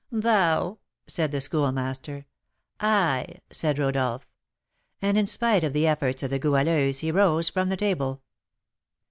"Thou?" said the Schoolmaster. "I!" said Rodolph. And, in spite of the efforts of the Goualeuse, he rose from the table.